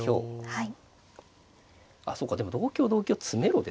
はい。